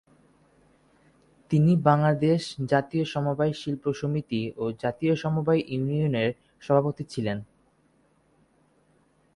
তিনি বাংলাদেশ জাতীয় সমবায় শিল্প সমিতি ও জাতীয় সমবায় ইউনিয়নের সভাপতি ছিলেন।